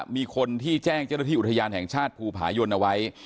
มีคนที่แจ้งเจ้าหน้าที่อุทยานแห่งชาติภูผายนเอาไว้